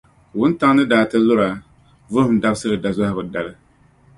Wuntaŋ’ ni daa ti lura Vuhim Dabisili dazɔhigu dali.